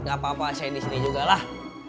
gak apa apa saya di sini juga lah